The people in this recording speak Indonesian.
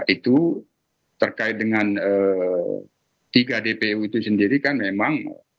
itu terkait dengan tiga dpu itu sendiri kan memang